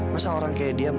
pasti ada di situ